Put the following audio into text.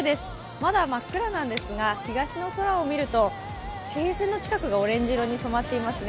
まだ真っ暗なんですが、東の空を見ると地平線の近くがオレンジ色に染まっていますね。